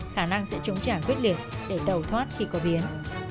khả năng sẽ chống trả quyết liệt để tàu thoát khi có biến